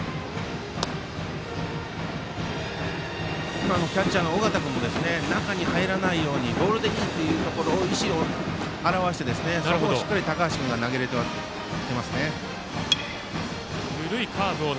今のキャッチャーの尾形君も中に入らないようにボールでいいという意思を表してそこをしっかり高橋君が投げれていますね。